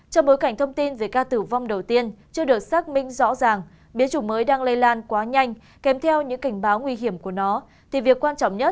trong bối cảnh thông tin về ca tử vong đầu tiên chưa được xác minh rõ ràng biến chủng mới đang lây lan quá nhanh kèm theo những cảnh báo nguy hiểm của nó